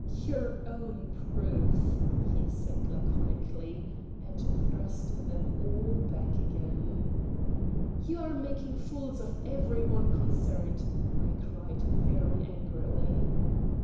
"Your own proof," he said laconically, and thrust them all back again. "You are making fools of every one concerned," I cried, very angrily.